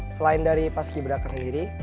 selain dari paskibraka sendiri